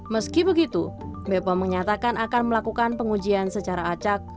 meski begitu bepom menyatakan akan melakukan pengujian secara acak